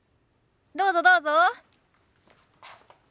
どうぞどうぞ。